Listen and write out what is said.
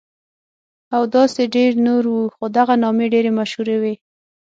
او داسې ډېر نور وو، خو دغه نامې ډېرې مشهورې وې.